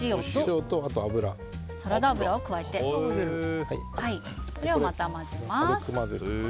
サラダ油を加えてまた混ぜます。